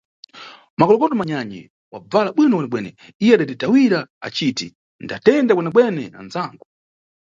Makolokoto manyanyi, wabvala bwino kwenekwene, iye adatitawira aciti, ndatenda kwenekwene andzangu.